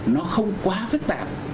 nó không quá phức tạp